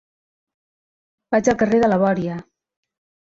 Vaig al carrer de la Bòria.